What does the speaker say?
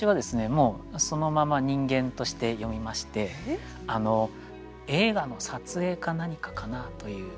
もうそのまま人間として読みまして映画の撮影か何かかな？という。